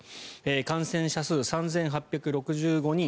感染者数３８６５人。